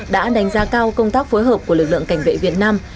đã đánh giá cao công tác phối hợp của lực lượng cảnh vệ việt nam